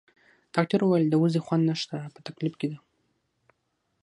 ډاکټر وویل: د وضعې خوند نشته، په تکلیف کې ده.